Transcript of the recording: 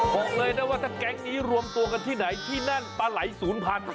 บอกเลยว่าแกงมันรวมตัวกันที่ไหนที่นั่นปลาไหลศูนย์พันธุ์